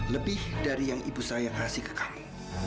lebih dari yang ibu saya kasih ke kamu